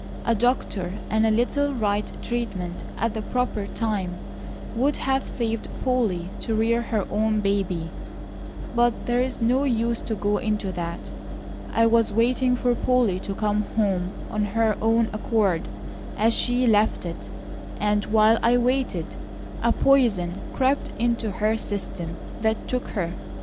A doctor and a little right treatment at the proper time would have saved Polly to rear her own baby; but there's no use to go into that. I was waiting for Polly to come home of her own accord, as she left it; and while I waited, a poison crept into her system that took her.